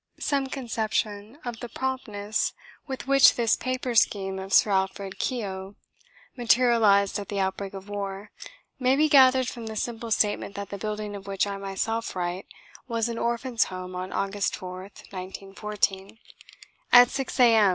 Some conception of the promptness with which this paper scheme of Sir Alfred Keogh's materialised at the outbreak of war may be gathered from the simple statement that the building of which I myself write was an Orphans' Home on August 4th, 1914. At 6 a.m.